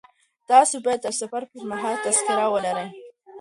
تاسي باید د سفر پر مهال تذکره ولرئ.